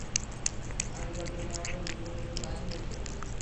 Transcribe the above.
আর নিজাম, তুমি আমাদের দু জনের জন্যে চা নিয়ে এস।